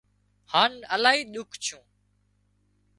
هانَ الاهي ۮُک ڇُون